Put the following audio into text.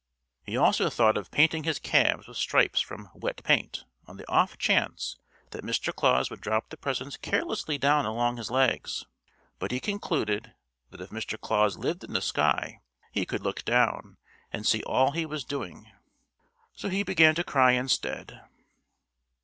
He also thought of painting his calves with stripes from "wet paint," on the off chance that Mr. Claus would drop the presents carelessly down along his legs. But he concluded that if Mr. Claus lived in the sky he could look down and see all he was doing. So he began to cry instead.